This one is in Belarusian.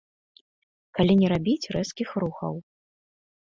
Калі не рабіць рэзкіх рухаў.